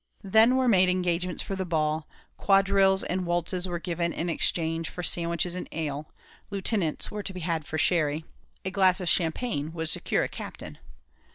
Then were made engagements for the ball; quadrilles and waltzes were given in exchange for sandwiches and ale Lieutenants were to be had for sherry a glass of champagne would secure a Captain.